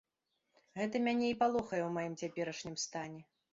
Гэта мяне і палохае ў маім цяперашнім стане.